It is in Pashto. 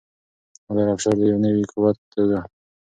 نادر افشار د یو نوي قوت په توګه راپورته شو.